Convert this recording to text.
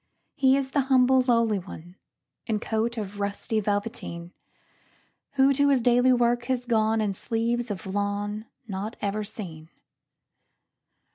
He is the humble, lowly one, In coat of rusty velveteen, Who to his daily work has gone; In sleeves of lawn not ever seen.